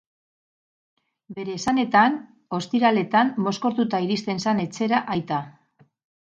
Bere esanetan, ostiraletan mozkortuta iristen zen etxera aita.